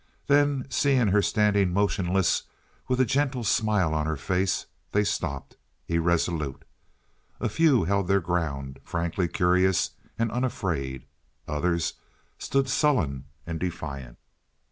Then, seeing her standing motionless with a gentle smile on her face, they stopped, irresolute. A few held their ground, frankly curious and unafraid. Others stood sullen and defiant.